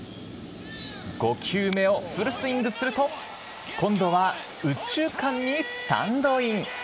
５球目をフルスイングすると今度は右中間にスタンドイン。